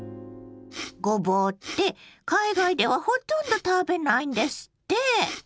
ごぼうって海外ではほとんど食べないんですって。